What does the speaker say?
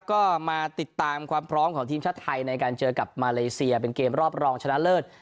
ก็มาติดตามความพร้อมของทีมชาติไทยในการเจอกับมาเลเซียเป็นเกมรอบรองชนะเลิศ